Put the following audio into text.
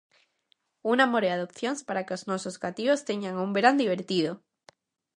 Unha morea de opcións para que os nosos cativos teñan un verán divertido.